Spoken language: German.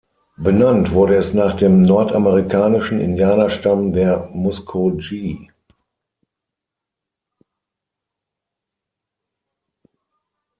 Benannt wurde es nach dem nordamerikanischen Indianerstamm der Muskogee.